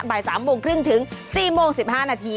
บ่าย๓โมงครึ่งถึง๔โมง๑๕นาที